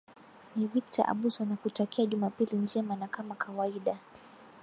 ni victor abuso nakutakia jumapili njema na kama kawaida